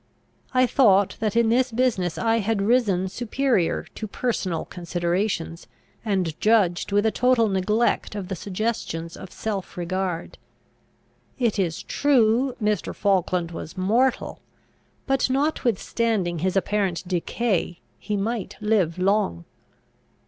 I thought that in this business I had risen superior to personal considerations, and judged with a total neglect of the suggestions of self regard. It is true, Mr. Falkland was mortal, but, notwithstanding his apparent decay, he might live long.